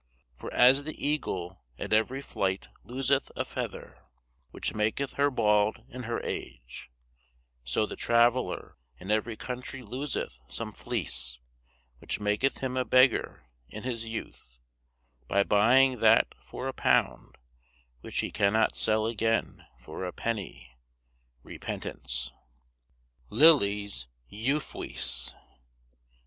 For as the eagle at every flight loseth a feather, which maketh her bauld in her age, so the traveller in every country loseth some fleece, which maketh him a beggar in his youth, by buying that for a pound which he cannot sell again for a penny repentance. LILLY'S EUPHUES.